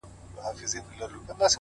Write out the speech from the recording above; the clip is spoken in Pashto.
• له آمو تر اباسینه وطن غواړو ,